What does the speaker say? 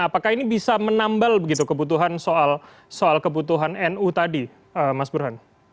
apakah ini bisa menambal begitu kebutuhan soal kebutuhan nu tadi mas burhan